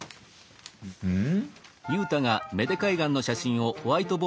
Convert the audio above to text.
うん？